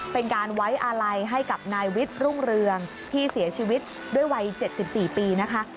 เป็นการไว้อาลัยให้กับนายวิทย์รุ่งเรืองที่เสียชีวิตด้วยวัย๗๔ปีนะคะ